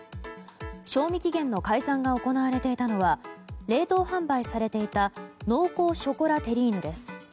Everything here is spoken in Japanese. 賞味期限の改ざんが行われていたのは冷凍販売されていた濃厚ショコラテリーヌです。